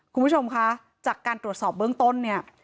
คุณผู้ชมคะจากการตรวจสอบเบื้องต้นเนี่ย